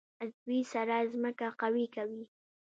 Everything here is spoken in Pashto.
عضوي سره ځمکه قوي کوي.